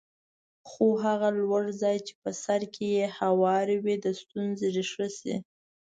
خو هغه لوړ ځای چې په سر کې هوار وي د ستونزې ریښه شي.